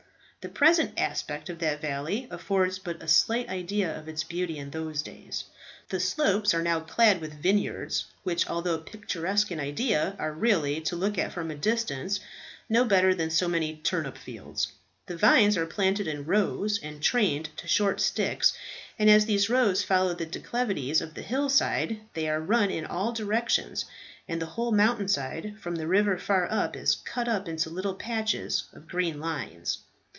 The present aspect of that valley affords but a slight idea of its beauty in those days. The slopes are now clad with vineyards, which, although picturesque in idea, are really, to look at from a distance, no better than so many turnip fields. The vines are planted in rows and trained to short sticks, and as these rows follow the declivities of the hillside, they are run in all directions, and the whole mountain side, from the river far up, is cut up into little patches of green lines.